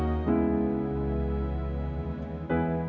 oh ya tuhan